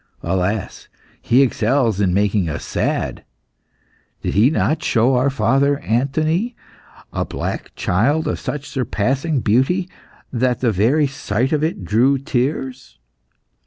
Alas! he excels in making us sad. Did he not show to our father Anthony a black child of such surpassing beauty that the very sight of it drew tears?